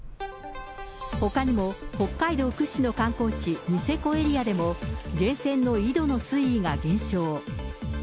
ほかにも北海道屈指の観光地、ニセコエリアでも、源泉の井戸の水位が減少。